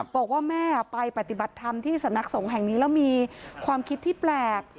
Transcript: บอกว่าแม่ไปปฏิบัติธรรมที่สำนักสงฆ์แห่งนี้แล้วมีความคิดที่แปลก